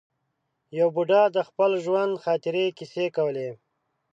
یو بوډا د خپل ژوند د خاطرې کیسې کولې.